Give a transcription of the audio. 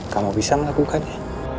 kamu bisa melakukannya